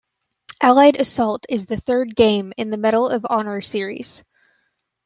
"Allied Assault" is the third game in the "Medal of Honor" series.